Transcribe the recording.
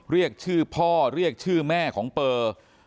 เรียกชื่อพ่อเรียกชื่อแม่ของเปอร์